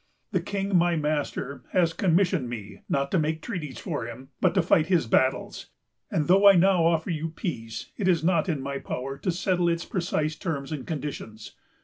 The King, my master, has commissioned me, not to make treaties for him, but to fight his battles; and though I now offer you peace, it is not in my power to settle its precise terms and conditions.